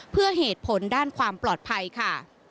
เพื่อเหตุผลด้านความปลอดภัยค่ะ